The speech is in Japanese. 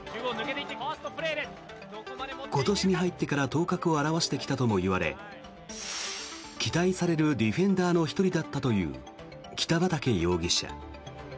今年に入ってから頭角を現してきたともいわれ期待されるディフェンダーの１人だったという北畠容疑者。